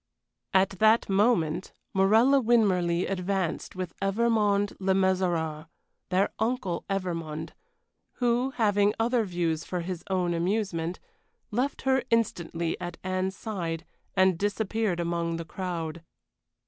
At that moment Morella Winmarleigh advanced with Evermond Le Mesurier their uncle Evermond who, having other views for his own amusement, left her instantly at Anne's side and disappeared among the crowd.